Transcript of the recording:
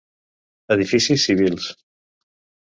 Edificis civils.